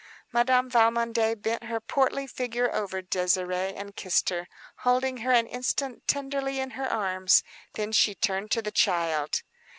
Madame Valmondé bent her portly figure over Désirée and kissed her, holding her an instant tenderly in her arms. Then she turned to the child.